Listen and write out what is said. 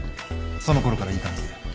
そのころからいい感じで？